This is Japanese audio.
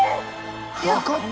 わかった？